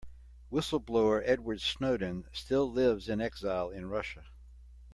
Whistle-blower Edward Snowden still lives in exile in Russia.